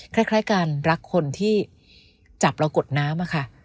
คล้ายการรักคนที่จับเรากดน้ำอะค่ะ